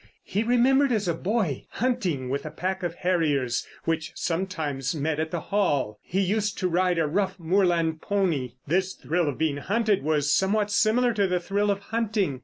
He remembered as a boy hunting with a pack of harriers which sometimes met at The Hall; he used to ride a rough moorland pony. This thrill of being hunted was somewhat similar to the thrill of hunting.